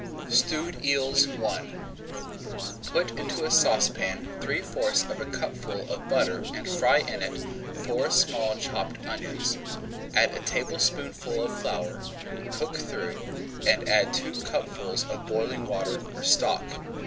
STEWED EELS I Put into a saucepan three fourths of a cupful [Page 121] of butter and fry in it four small chopped onions. Add a tablespoonful of flour, cook through, and add two cupfuls of boiling water or stock.